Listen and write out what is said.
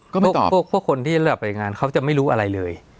ก็ไม่ตอบพวกพวกคนที่เลือกไปงานเขาจะไม่รู้อะไรเลย